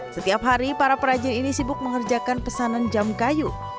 setiap hari para perajin ini sibuk mengerjakan pesanan jam kayu